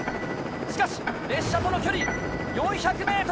しかし列車との距離４００ｍ。